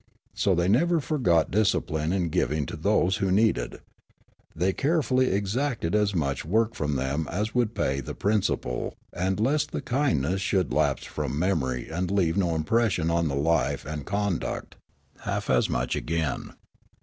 So they never forgot discipline in giving to those who needed ; they carefully exacted as much work from them as would pay the principal, and, lest the kindness should lapse from memory and leave no impression on the life and conduct, half as much again.